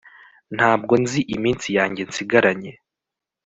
ntabwo nzi iminsi yanjye nsigaranye